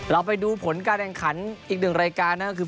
เราไปดูผลการแข่งขันอีกหนึ่งรายการนั่นก็คือ